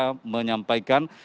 dan informatika menyampaikan